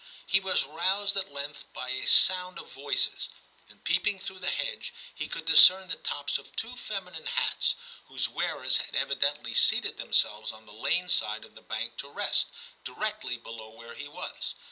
He was roused at length by a sound of voices, and peeping through the hedge he could discern the tops of two feminine hats, whose wearers had evidently seated them selves on the lane side of the bank to rest, directly below where he was.